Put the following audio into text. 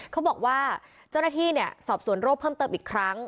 เขาบอกว่าเจ้าหน้าที่สอบสวนโรคเพิ่มเติมอีกครั้ง